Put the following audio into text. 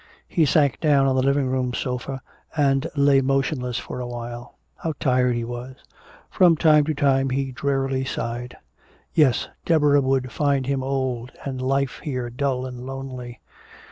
He sank down on the living room sofa and lay motionless for a while. How tired he was. From time to time he drearily sighed. Yes, Deborah would find him old and life here dull and lonely.